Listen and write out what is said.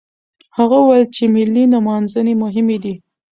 هغه وويل چې ملي نمانځنې مهمې دي.